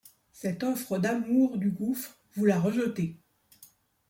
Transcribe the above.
Cette offre d’amour du gouffre, vous la rejetez.